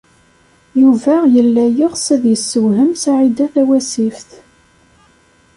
Yuba yella yeɣs ad yessewhem Saɛida Tawasift.